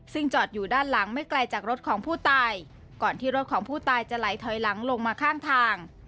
ซึ่งจอดอยู่ด้านหลังไม่ไกลจากรถของผู้ตายก่อนที่รถของผู้ตายจะไหลถอยหลังลงมาข้างทาง